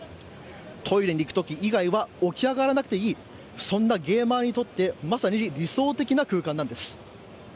トイレに行く時以外は起き上がらなくていいそんな、ゲーマーにとってまさに理想的な空間なんです。